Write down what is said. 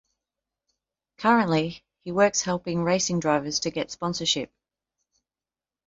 Currently, he works helping racing drivers to get sponsorship.